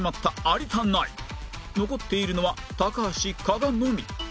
残っているのは高橋加賀のみ